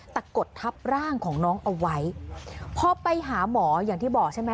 แต่กดทับร่างของน้องเอาไว้พอไปหาหมออย่างที่บอกใช่ไหม